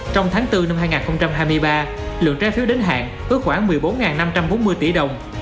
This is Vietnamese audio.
trong tháng bốn năm hai nghìn hai mươi ba lượng trái phiếu đến hạn ước khoảng một mươi bốn năm trăm bốn mươi tỷ đồng